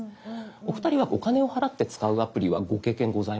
お二人はお金を払って使うアプリはご経験ございますか？